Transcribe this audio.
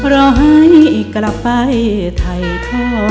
รอให้กลับไปไทยท้อ